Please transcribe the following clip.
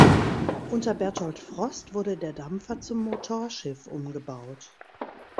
Unter Berthold Frost wurde der Dampfer zum Motorschiff umgebaut.